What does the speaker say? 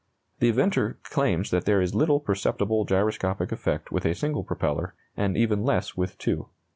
The inventor claims that there is little perceptible gyroscopic effect with a single propeller, and even less with two.